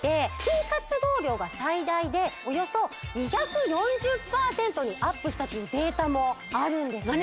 筋活動量が最大でおよそ２４０％にアップしたというデータもあるんですね